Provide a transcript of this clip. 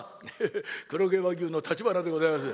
黒毛和牛のたちばなでございます。